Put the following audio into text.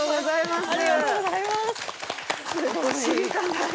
すごい。